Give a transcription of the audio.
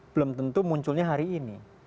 belum tentu munculnya hari ini